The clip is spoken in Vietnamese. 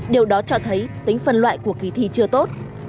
điều đó cho thấy tính phân loại của kỳ thi chưa tốt